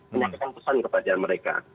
menyampaikan pesan kepada mereka